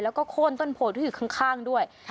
แล้วก็โค้นต้นโผล่ที่ข้างด้วย